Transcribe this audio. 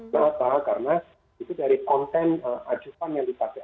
berapa karena itu dari konten ajukan yang dipakai